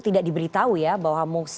tidak diberitahu ya bahwa